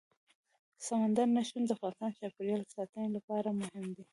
سمندر نه شتون د افغانستان د چاپیریال ساتنې لپاره مهم دي.